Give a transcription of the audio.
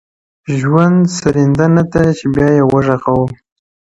ژوند سرینده نه ده _ چي بیا یې وږغوم _